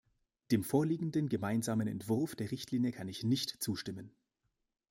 Dem vorliegenden gemeinsamen Entwurf der Richtlinie kann ich nicht zustimmen.